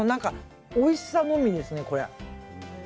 おいしさのみですね。